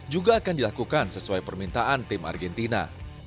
juga akan dilakukan sesuai permintaan tim argentina